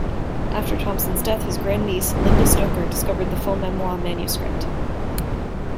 After Thompson's death, his great-niece Linda Stoker discovered the full memoir manuscript.